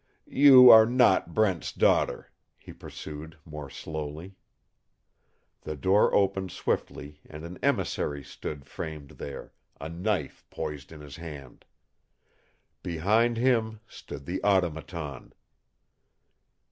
"You are not Brent's daughter," he pursued, more slowly. The door opened swiftly and an emissary stood framed there, a knife poised in his hand. Behind him stood the Automaton.